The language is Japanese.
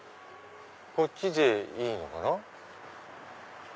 こっちでいいのかな？